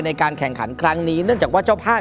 ในการแข่งขันครั้งนี้เนื่องจากว่าเจ้าภาพ